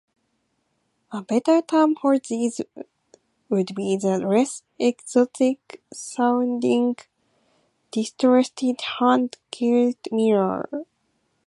A better term for these would be the less exotic sounding 'Distressed Hand-Gilded Mirror'.